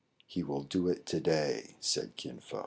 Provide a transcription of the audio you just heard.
" He will do it to day," said Kin Fo.